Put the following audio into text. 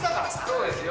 そうですよ。